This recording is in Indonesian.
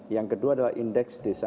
yang kedua adalah indeks desa